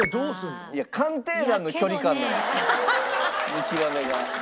見極めが。